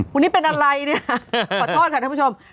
วันนี้เป็นอะไรเนี่ยขอโทษค่ะท่านผู้ชม